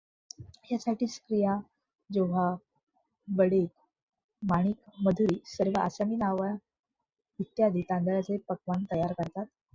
यासाठी स्त्रिया जोहा, बडेअ, मानिक मधुरी सर्व असामी नावे इत्यादी तांदळाचे पक्वान्न तयार करतात.